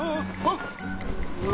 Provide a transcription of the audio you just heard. あっ！